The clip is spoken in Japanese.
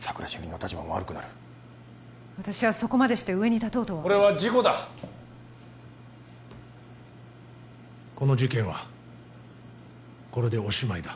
主任の立場も悪くなる私はそこまでして上に立とうとはこれは事故だこの事件はこれでおしまいだ